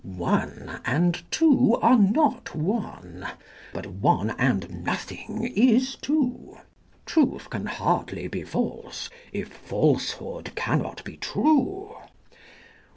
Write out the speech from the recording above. One and two are not one: but one and nothing is two: Truth can hardly be false, if falsehood cannot be true.